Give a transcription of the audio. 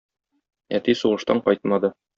Әти сугыштан кайтмады.